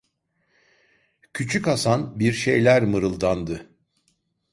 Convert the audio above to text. Küçük Haşan bir şeyler mınldandı.